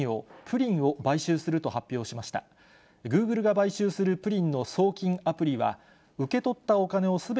グーグルが買収するプリンの送金アプリは、受け取ったお金をすべ